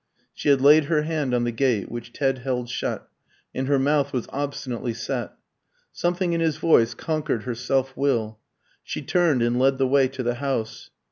She had laid her hand on the gate, which Ted held shut, and her mouth was obstinately set. Something in his voice conquered her self will. She turned and led the way to the house.